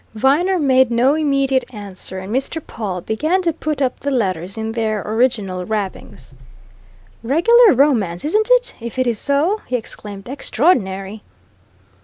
Viner made no immediate answer and Mr. Pawle began to put up the letters in their original wrappings. "Regular romance, isn't it if it is so?" he exclaimed. "Extraordinary!"